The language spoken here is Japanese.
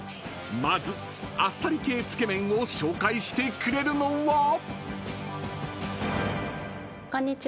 ［まずあっさり系つけ麺を紹介してくれるのは］